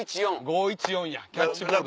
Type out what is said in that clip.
５１４やキャッチボール。